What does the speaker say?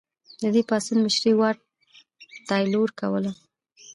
د دې پاڅون مشري واټ تایلور کوله.